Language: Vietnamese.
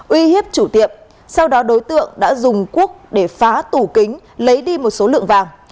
uy hiếp chủ tiệm sau đó đối tượng đã dùng cuốc để phá tủ kính lấy đi một số lượng vàng